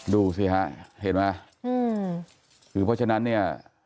ดูสิฮะเห็นไหมคือเพราะฉะนั้นเนี่ย